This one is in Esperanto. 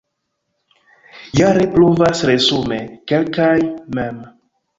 Jare pluvas resume kelkaj mm.